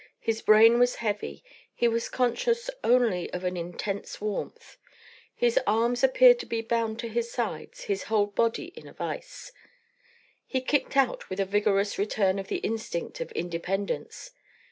His brain was heavy; he was conscious only of an intense warmth. His arms appeared to be bound to his sides, his whole body in a vise. He kicked out with a vigorous return of the instinct of independence.